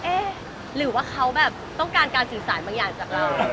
เอ๊ะหรือว่าเขาแบบต้องการการสื่อสารบางอย่างจากเรา